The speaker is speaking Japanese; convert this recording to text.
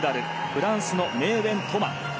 フランスのメーウェン・トマ。